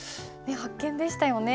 発見でしたよね。